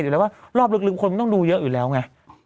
ถ้าพอบอกเรื่อง